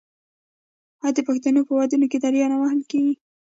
آیا د پښتنو په ودونو کې دریا نه وهل کیږي؟